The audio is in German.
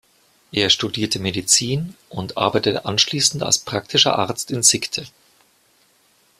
Er studierte Medizin und arbeitete anschließend als praktischer Arzt in Sickte.